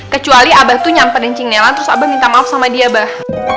kecuali abah tuh nyamperin cing nelan terus abah minta maaf sama dia bah